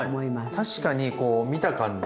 確かにこう見た感じ。